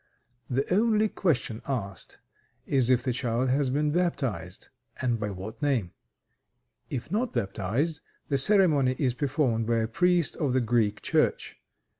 The only question asked is if the child has been baptized, and by what name. If not baptized, the ceremony is performed by a priest of the Greek Church.